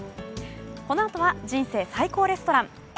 このあとは「人生最高レストラン」。